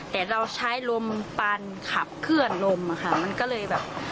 แต่เราใช้ลมปันขับเคลื่อนลมอะค่ะมันก็เลยแบบ